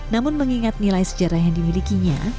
namun mengingat nilai sejarah yang dimilikinya